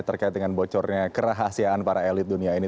terkait dengan bocornya kerahasiaan para elit dunia ini